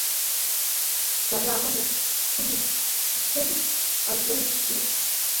তবে এখন সিনথেটিক সামগ্রী দিয়েও তৈরি হয়ে থাকে নানা ধরনের টোট ব্যাগ।